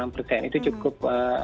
enam persen itu cukup